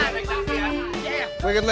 terima kasih ya